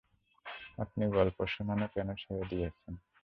আপনি গল্প শুনানো কেন ছেড়ে দিয়েছেন?